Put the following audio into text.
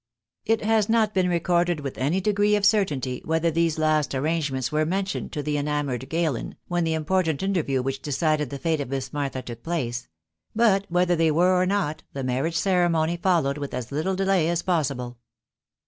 t has not been recorded with any degree of certainty, ther these last arrangements were mentioned to the ena red Galen, when the important interview which decided fate of Miss Martha took place ; but whether they were or the marriage ceremony followed with as little delay as ible.